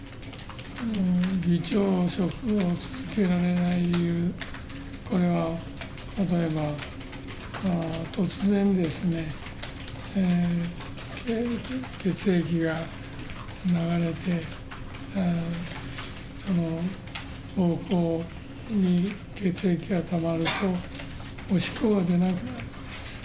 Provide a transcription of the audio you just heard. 議長職を続けられない理由、これは例えば突然ですね、血液が流れて、膀胱に血液がたまると、おしっこが出なくなるわけです。